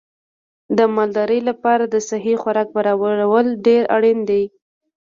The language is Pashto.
د مالدارۍ لپاره د صحي خوراک برابرول ډېر اړین دي.